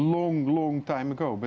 lama lalu lalu